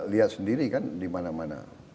lihat sendiri dimana mana